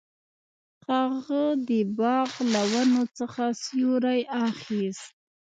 هغه د باغ له ونو څخه سیوری اخیست.